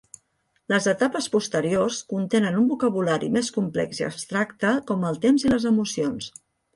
Les etapes posteriors contenen un vocabulari més complex i abstracte com el temps i les emocions.